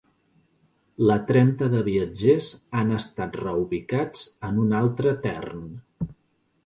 La trenta de viatgers han estat reubicats en un altre tern.